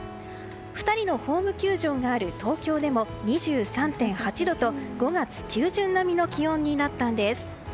２人のホーム球場がある東京でも２３．８度と５月中旬並みの気温になったんです。